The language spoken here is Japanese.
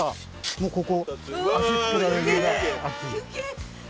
もうここ。